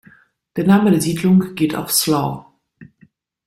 Der Name der Siedlung geht auf slaw.